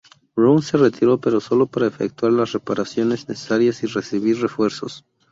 Brown se retiró pero solo para efectuar las reparaciones necesarias y recibir refuerzos.